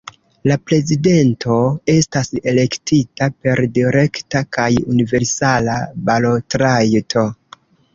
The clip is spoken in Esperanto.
La prezidento estas elektita per direkta kaj universala balotrajto.